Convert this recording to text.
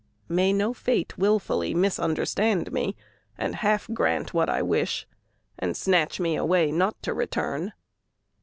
May no fate willfully misunderstand me And half grant what I wish and snatch me away Not to return.